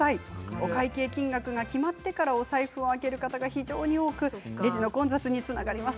お会計金額が決まってからお財布を開ける方が非常に多くレジの混雑につながります。